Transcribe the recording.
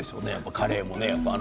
カレーもね。